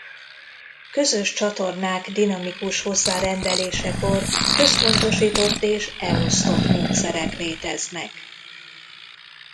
Közös csatornák dinamikus hozzárendelésekor központosított és elosztott módszerek léteznek.